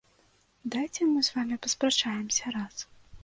Дайце мы з вамі паспрачаемся раз.